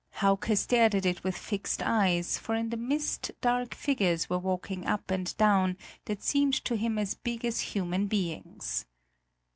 Hauke stared at it with fixed eyes, for in the mist dark figures were walking up and down that seemed to him as big as human beings.